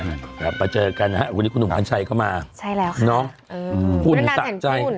กลับมาเจอกันนะฮะวันนี้คุณหนุ่มกัญชัยเข้ามาใช่แล้วค่ะเนาะหุ่นสะใจ